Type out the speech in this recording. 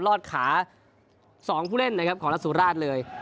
รอดขาสองผู้เล่นนะครับของนัทธวรรษเลย